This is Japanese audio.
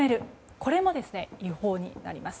これも違法になります。